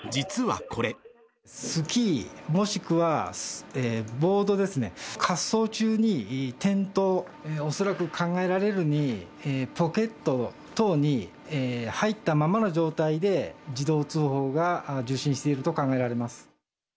スキー、もしくはボードですね、滑走中に転倒、恐らく考えられるに、ポケット等に入ったままの状態で、自動通報が受信していると考えられます。